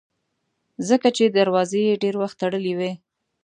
ځکه چې دروازې یې ډېر وخت تړلې وي.